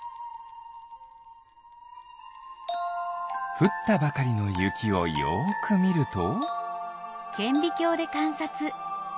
ふったばかりのゆきをよくみると。